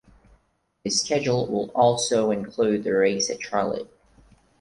His schedule will also include the race at Charlotte.